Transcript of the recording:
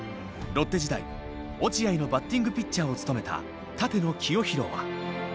ロッテ時代落合のバッティングピッチャーを務めた立野清広は。